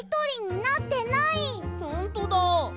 ほんとだ！